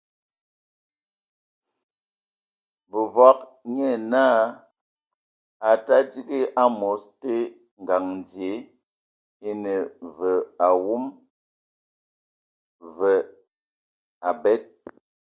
Bǝvɔg nye naa a tadigi amos te, ngaŋ dzie e ne ve awon, və abed.